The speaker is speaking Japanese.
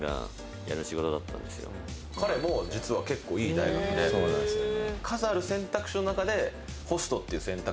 彼も実は結構いい大学でそうなんですよね